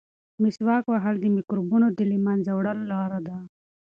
مسواک وهل د مکروبونو د له منځه وړلو لاره ده.